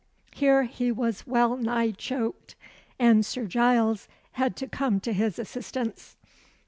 Here he was well nigh choked, and Sir Giles had to come to his assistance.